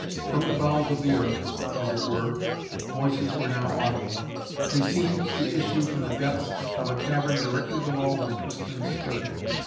From the bowels of the earth, as it were, voices were now audible; they seemed to issue from the depths of a cavern directly below where Tristan stood.